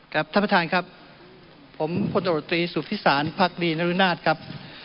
ท่านประธานครับผมพลตรวจตรีสุพิสารพักดีนรุนาศครับ